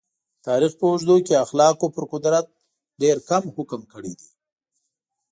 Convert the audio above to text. د تاریخ په اوږدو کې اخلاق پر قدرت ډېر کم حکم کړی دی.